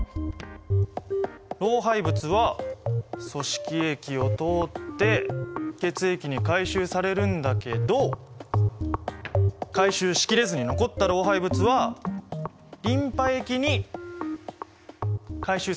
老廃物は組織液を通って血液に回収されるんだけど回収しきれずに残った老廃物はリンパ液に回収されるんだったよね。